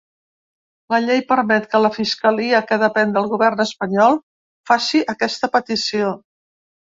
La llei permet que la fiscalia, que depèn del govern espanyol, faci aquesta petició.